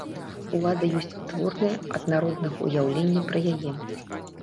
Улада ёсць вытворная ад народнага ўяўлення пра яе.